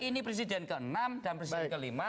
ini presiden ke enam dan presiden ke lima